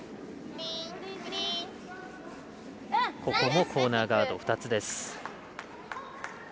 ここもコーナーガード２つです。